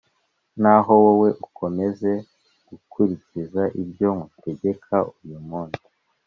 Naho wowe ukomeze gukurikiza ibyo ngutegeka uyu munsi